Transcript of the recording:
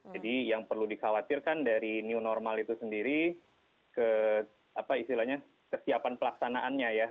jadi yang perlu dikhawatirkan dari new normal itu sendiri ke apa istilahnya kesiapan pelaksanaannya ya